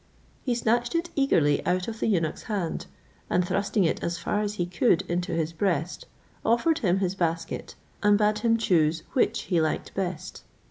He snatched it eagerly out of the eunuch's hand, and thrusting it as far as he could into his breast, offered him his basket, and bade him choose which he liked best.